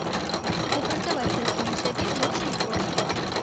Бо працаваць толькі на сябе можа і крот.